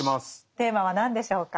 テーマは何でしょうか。